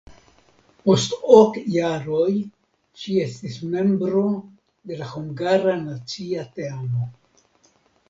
Post ok jaroj ŝi estis membro de la hungara nacia teamo.